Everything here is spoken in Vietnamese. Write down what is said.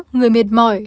người miệt mỏi